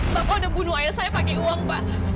bapak udah bunuh ayah saya pakai uang pak